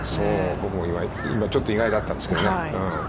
僕も今、ちょっと意外だったんですけどね。